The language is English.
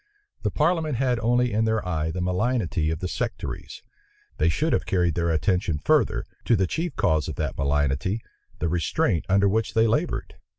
The parliament had only in their eye the malignity of the sectaries; they should have carried their attention further, to the chief cause of that malignity, the restraint under which they labored.